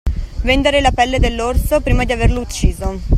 Vendere la pelle dell'orso prima di averlo ucciso.